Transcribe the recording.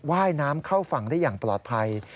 ว่ายน้ำเข้าฝั่งได้อย่างปลอดภัย